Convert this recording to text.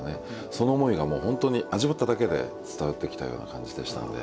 その思いがもう本当に味わっただけで伝わってきたような感じでしたんで。